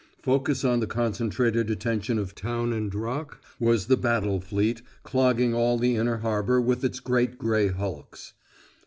Focus of the concentrated attention of town and Rock was the battle fleet, clogging all the inner harbor with its great gray hulks.